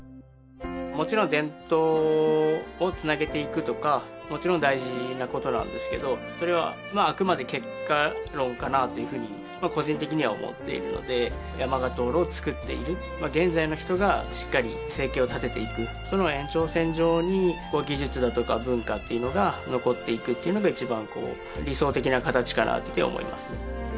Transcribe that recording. もちろん伝統をつなげていくとかもちろん大事なことなんですけどそれはあくまで結果論かなあというふうにまあ個人的には思っているので山鹿灯籠をつくっている現在の人がしっかり生計を立てていくその延長線上にこう技術だとか文化っていうのが残っていくっていうのが一番こう理想的な形かなって思いますね